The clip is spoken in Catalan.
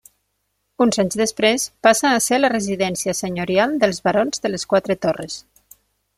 Uns anys després, passa a ser la residència senyorial dels barons de les Quatre Torres.